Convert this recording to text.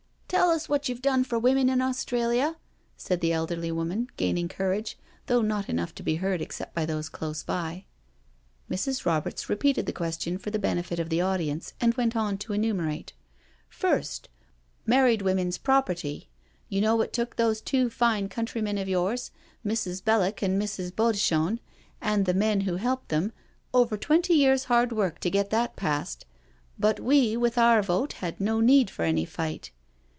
'* Tell us what you've done for women in Australia," said the elderly woman, gaining courage, though not enough to be heard except by those close by. Mrs. Roberts repeated the question for the benefit of the audience and went on to enumerate: "First, Married Women's Property — you know it took those two fine countrywomen of yours, Mrs. Belloc and Mrs. Bodichon, and the men who helped them, over twenty years' hard work to get that passed, but we with our vote had no need for any fight.